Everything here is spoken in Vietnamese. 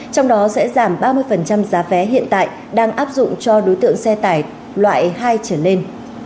trong đó sẽ giảm ba mươi giá vé hiện tại đang áp dụng cho đối tượng xe tải loại hai trở lên